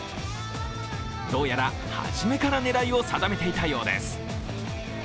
どうやらはじめから狙いを定めていたようです。